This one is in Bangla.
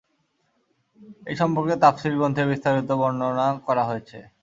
এই সম্পর্কে তাফসীর গ্রন্থে বিস্তারিত বর্ণনা করা হয়েছে।